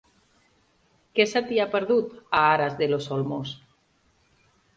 Què se t'hi ha perdut, a Aras de los Olmos?